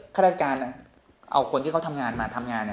ข้าราชการเอาคนที่เขาทำงานมาทำงาน